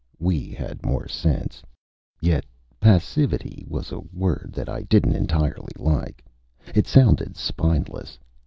We had more sense. Yet passivity was a word that I didn't entirely like. It sounded spineless.